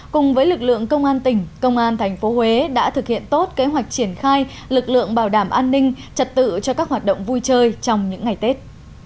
cùng với lực lượng công an tỉnh công an tp huế đã thực hiện tốt kế hoạch triển khai lực lượng bảo đảm an ninh trật tự cho các hoạt động vui chơi trong những ngày tết